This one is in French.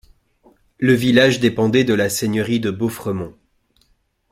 Le village dépendait de la seigneurie de Beauffremont.